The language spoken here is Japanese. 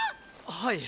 はい。